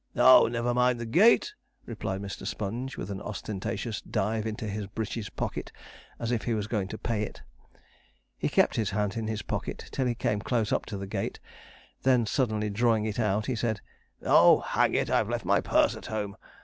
'Oh, never mind the gate,' replied Mr. Sponge, with an ostentatious dive into his breeches pocket, as if he was going to pay it. He kept his hand in his pocket till he came close up to the gate, when, suddenly drawing it out, he said: 'Oh, hang it! I've left my purse at home!